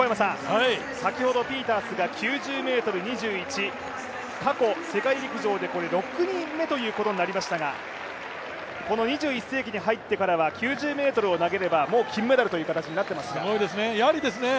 先ほどピータースが９０ｍ２１、過去、世界陸上で６人目になりましたが、２１世紀に入ってからは９０ｍを投げればもう金メダルという形になっていますが。